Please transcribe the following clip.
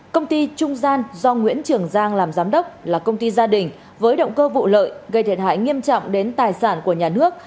công ty trung gian do nguyễn trường giang làm giám đốc là công ty gia đình với động cơ vụ lợi gây thiệt hại nghiêm trọng đến tài sản của nhà nước